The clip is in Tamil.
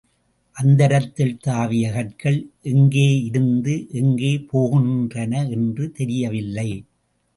அந்தரத்தில் தாவிய கற்கள், எங்கே இருந்து எங்கே போகின்றன என்று தெரியவில்லை.